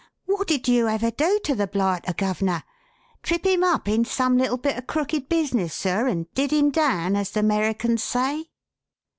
Wot did you ever do to the blighter, guv'ner? Trip him up in some little bit of crooked business, sir, and 'did him down,' as the 'Mericans say?"